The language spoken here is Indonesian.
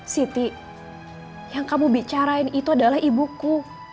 siti yang kamu bicarain itu adalah ibuku